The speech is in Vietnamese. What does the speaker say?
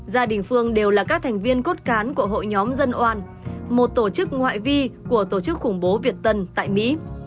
gia đình phương đều là các thành viên cốt cán của hội nhóm dân oan một tổ chức ngoại vi của tổ chức khủng bố việt tân tại mỹ